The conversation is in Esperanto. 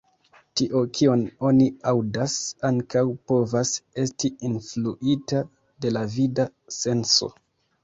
Tio, kion oni aŭdas ankaŭ povas esti influita de la vida senso.